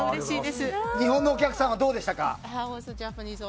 日本のお客さんはどうでしたか。